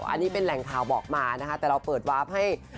อันนี้เป็นแหล่งข่าวบอกมานะคะแต่เราเปิดวาร์ฟให้